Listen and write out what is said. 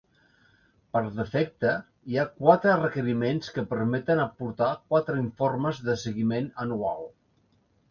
Per defecte hi ha quatre requeriments que permeten aportar quatre informes de seguiment anual.